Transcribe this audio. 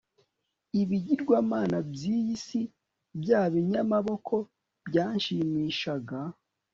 ibigirwamana by'iyi si, bya binyamaboko byanshimishaga